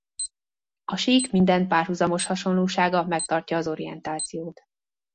A sík minden párhuzamos hasonlósága megtartja az orientációt.